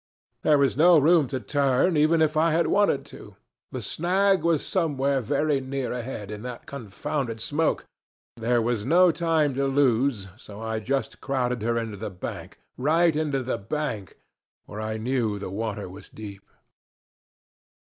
There was no room to turn even if I had wanted to, the snag was somewhere very near ahead in that confounded smoke, there was no time to lose, so I just crowded her into the bank right into the bank, where I knew the water was deep.